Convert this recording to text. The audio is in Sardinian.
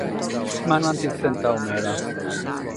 Ma no ant istentadu meda.